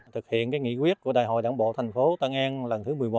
thực hiện nghị quyết của đại hội đảng bộ thành phố tân an lần thứ một mươi một